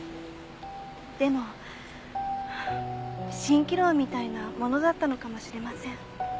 でも蜃気楼みたいなものだったのかもしれません。